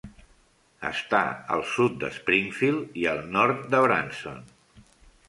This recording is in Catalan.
Està al sud de Springfield i al nord de Branson.